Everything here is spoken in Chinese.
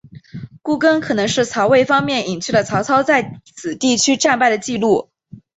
故更可能是曹魏方面隐去了曹操在此地区战败的记录。